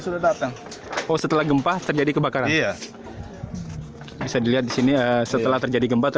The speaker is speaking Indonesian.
sudah datang setelah gempa terjadi kebakaran bisa dilihat di sini setelah terjadi gempa atau